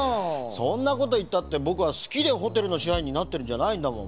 そんなこといったってぼくはすきでホテルのしはいにんになってるんじゃないんだもん。